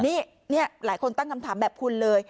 นี่หลายคนตั้งคำถามแบบคุณเลย